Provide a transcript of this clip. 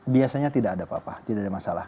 biasanya tidak ada apa apa tidak ada masalah